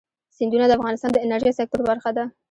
سیندونه د افغانستان د انرژۍ سکتور برخه ده.